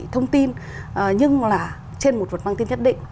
thông tin nhưng là trên một vật mang tên nhất định